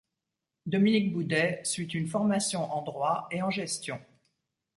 Dominique Boudet suit une formation en droit et en gestion.